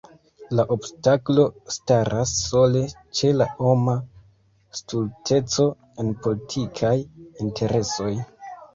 La obstaklo staras sole ĉe la homa stulteco en politikaj interesoj.